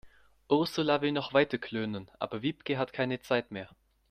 Ursula will noch weiter klönen, aber Wiebke hat keine Zeit mehr.